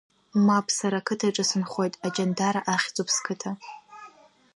Мап, сара ақыҭаҿы сынхоит, Аҷандара ахьӡуп сқыҭа.